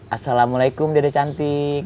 assalamualaikum dede cantik